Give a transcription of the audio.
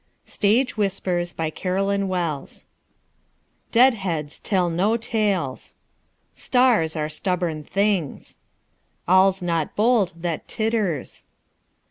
STAGE WHISPERS BY CAROLYN WELLS Deadheads tell no tales. Stars are stubborn things. All's not bold that titters.